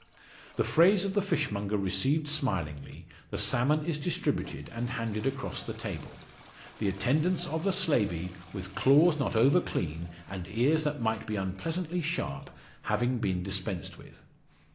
The phrase of the fishmonger received smilingly, the salmon is distributed and handed across the table; the attendance of the slavey, with claws not over clean, and ears that might be unpleasantly sharp, having been dispensed with.